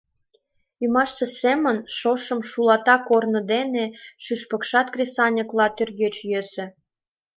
Ӱмашсе семын шошым шулата корно дене шупшыкташ кресаньыклан тӱргоч йӧсӧ.